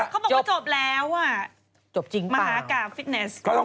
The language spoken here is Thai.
เขาบอกว่าจบแล้ว